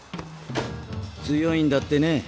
強いんだってね。